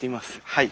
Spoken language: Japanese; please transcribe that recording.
はい。